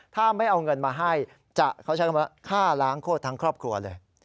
ถ้าไม่เอาเงินมาให้เขาใช้คำว่าฆ่าล้างโคตรทั้งครอบครัวเลย